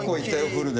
フルで。